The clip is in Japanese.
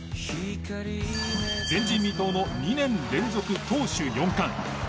前人未到の２年連続投手４冠。